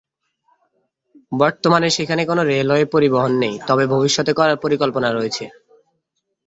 বর্তমানে সেখানে কোন রেলওয়ে পরিবহন নেই, তবে ভবিষ্যতে করার পরিকল্পনা রয়েছে।